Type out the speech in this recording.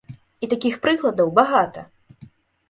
І такіх прыкладаў багата.